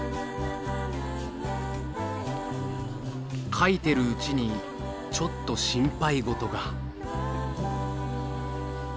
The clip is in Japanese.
描いてるうちにちょっと心配ごとが。